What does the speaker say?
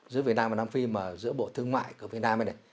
giữa việt nam và nam phi mà giữa bộ thương mại của việt nam